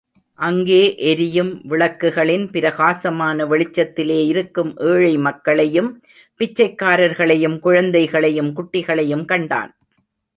அங்கே எரியும் விளக்குகளின் பிரகாசமான வெளிச்சத்திலே இருக்கும் ஏழை மக்களையும், பிச்சைக்காரர்களையும் குழந்தைகளையும் குட்டிகளையும் கண்டான்.